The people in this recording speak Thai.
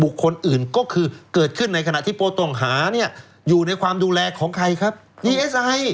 คนอื่นก็คือเกิดขึ้นในขณะที่ผู้ต้องหาเนี่ยอยู่ในความดูแลของใครครับดีเอสไอ